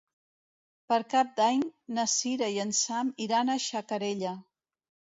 Per Cap d'Any na Sira i en Sam iran a Xacarella.